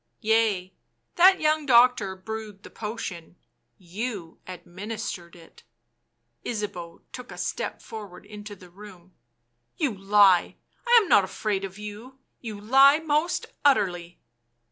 " Yea, that young doctor brewed the potion — you administered it." Ysabeau took a step forward into the room. " You lie ... I am not afraid of you — you lie most utterly.